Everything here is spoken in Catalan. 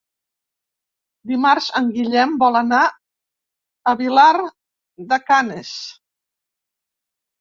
Dimarts en Guillem vol anar a Vilar de Canes.